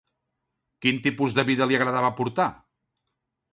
Quin tipus de vida li agradava portar?